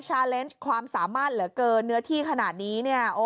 ชาเลนจความสามารถเหลือเกินเนื้อที่ขนาดนี้